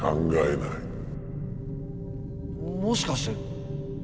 もしかしてお前。